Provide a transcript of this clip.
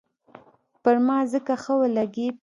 پر ما ځکه ښه ولګېد.